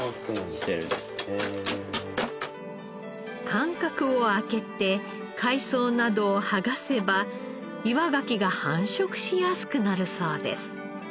間隔を空けて海藻などを剥がせば岩ガキが繁殖しやすくなるそうです。